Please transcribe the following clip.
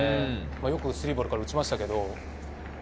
よく３ボールから打ちましたけど。